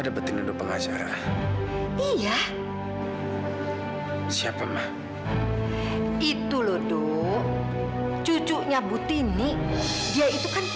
tapi ada syarat ya kak